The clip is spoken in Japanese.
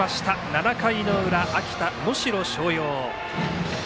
７回裏の秋田・能代松陽。